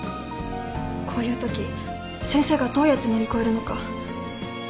こういうとき先生がどうやって乗り越えるのか